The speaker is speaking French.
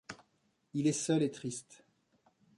Il est seul et triste.